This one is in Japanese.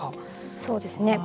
そうですね。